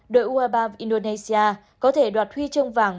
đội ue ba indonesia có thể đoạt huy chương vàng